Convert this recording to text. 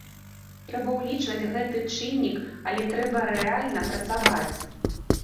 Трэба ўлічваць гэты чыннік, але трэба і рэальна працаваць.